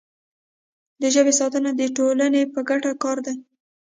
د ژبې ساتنه د ټولنې په ګټه کار دی.